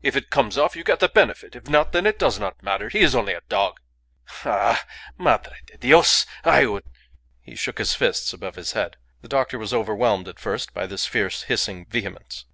If it comes off you get the benefit. If not, then it does not matter. He is only a dog. Ah! Madre de Dios, I would " He shook his fists above his head. The doctor was overwhelmed at first by this fierce, hissing vehemence.